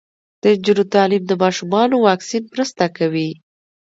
د نجونو تعلیم د ماشومانو واکسین مرسته کوي.